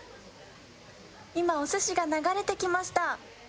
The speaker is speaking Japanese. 今、お寿司が流れてきました。